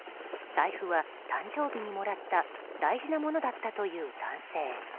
財布は誕生日にもらった大事なものだったという男性。